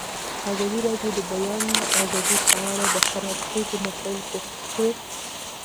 ازادي راډیو د د بیان آزادي په اړه د هر اړخیزو مسایلو پوښښ کړی.